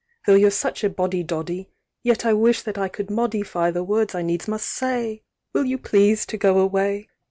"Though you're such a Boddy Doddy "Yet I wish that I could modi "fy the words I needs must say! "Will you please to go away?